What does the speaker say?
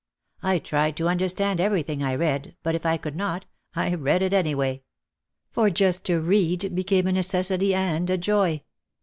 I tried to under stand everything I read but if I could not, I read it any way. For just to read became a necessity and a joy.